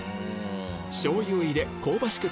しょうゆを入れ香ばしく